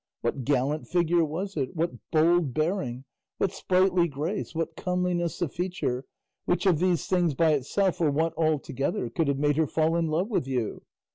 What gallant figure was it, what bold bearing, what sprightly grace, what comeliness of feature, which of these things by itself, or what all together, could have made her fall in love with you?